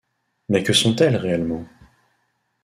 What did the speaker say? Mais que sont-elles réellement?